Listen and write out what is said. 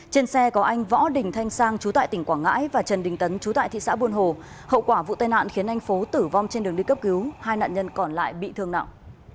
trên xe có anh võ đình thanh sang chú tại tỉnh quảng ngãi và trần đình tấn chú tại thị xã buôn hồ hậu quả vụ tai nạn khiến anh phố tử vong trên đường đi cấp cứu hai nạn nhân còn lại bị thương nặng